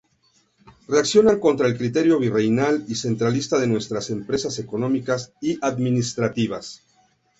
Reaccionan contra el criterio virreinal y centralista de nuestras empresas económicas y administrativas.